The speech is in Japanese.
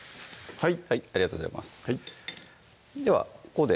はい